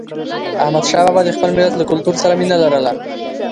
احمدشاه بابا د خپل ملت له کلتور سره مینه لرله.